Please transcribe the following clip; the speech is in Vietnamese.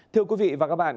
thưa quý vị và các bạn